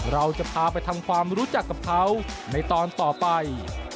เราจะพาไปทำความรู้จักกับเขาในตอนต่อไป